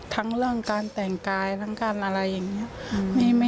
ทั้งเรื่องการแต่งกายทั้งการอะไรอย่างนี้